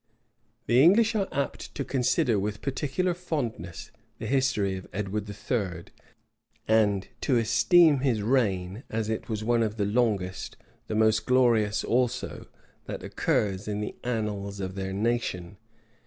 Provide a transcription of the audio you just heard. The English are apt to consider with peculiar fondness the history of Edward III., and to esteem his reign, as it was one of the longest, the most glorious also, that occurs in the annals of their nation.